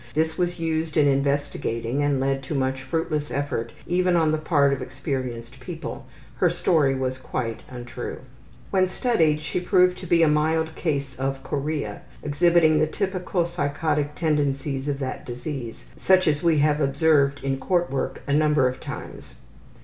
This was used in investigating and led to much fruitless effort even on the part of experienced people her story was quite untrue. When studied she proved to be a mild case of chorea, exhibiting the typical psychotic tendencies of that disease, such as we have observed in court work a number of times.